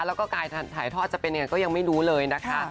แล้วก็การถ่ายทอดจะเป็นยังไงก็ยังไม่รู้เลยนะคะ